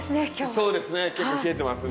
そうですね。